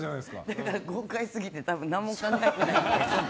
だから、豪快すぎて何も分かってない。